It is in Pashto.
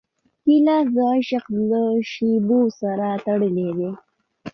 ګیلاس د عشق له شېبو سره تړلی دی.